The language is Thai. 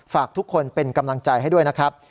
ฝากทุกคนเป็นกำลังใจให้ด้วยนะครับ